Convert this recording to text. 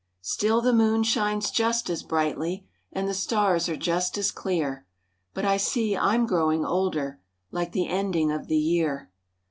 Still the moon shines just as brightly, And the stars are just as clear, But I see I'm growing older Like the ending of the year.